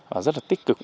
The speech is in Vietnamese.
và rất là tích cực